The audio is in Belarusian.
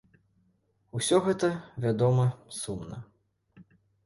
Усё гэта, вядома, сумна.